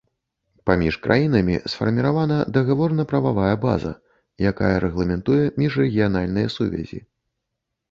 Паміж краінамі сфарміравана дагаворна-прававая база, якая рэгламентуе міжрэгіянальныя сувязі.